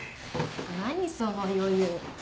何その余裕。